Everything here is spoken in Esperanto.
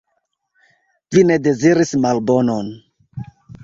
Vi ne deziris malbonon.